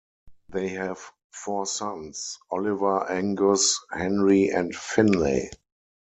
They have four sons: Oliver, Angus, Henry and Finley.